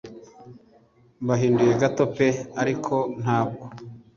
Bahinduye gato pe ariko ntabwo